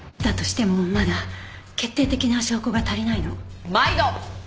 だとしてもまだ決定的な証拠が足りないの。